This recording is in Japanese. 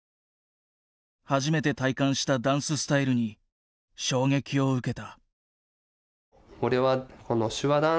初めて体感したダンススタイルに衝撃を受けた。